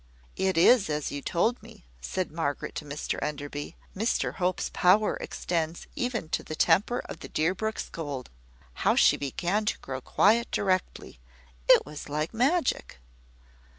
"It is as you told me," said Margaret to Mr Enderby; "Mr Hope's power extends even to the temper of the Deerbrook scold. How she began to grow quiet directly! It was like magic."